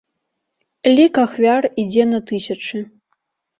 Лік ахвяр ідзе на тысячы.